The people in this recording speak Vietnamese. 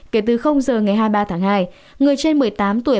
kể từ giờ ngày hai mươi ba tháng hai người trên một mươi tám tuổi